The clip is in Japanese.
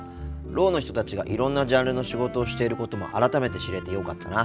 ろうの人たちがいろんなジャンルの仕事をしていることも改めて知れてよかったな。